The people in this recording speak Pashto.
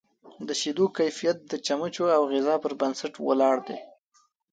د شیدو کیفیت د چمچو او غذا پر بنسټ ولاړ دی.